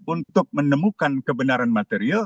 untuk menemukan kebenaran material